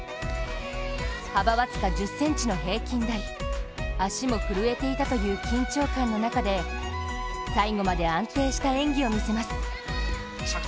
幅僅か１０ｃｍの平均台、足も震えていたという緊張感の中で最後まで安定した演技を見せます。